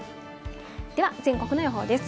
では全国の予報です。